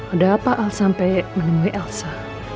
ada apa al sampai menemui elsa